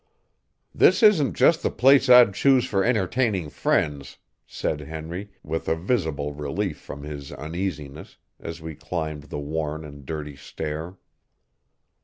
"This isn't just the place I'd choose for entertaining friends," said Henry, with a visible relief from his uneasiness, as we climbed the worn and dirty stair.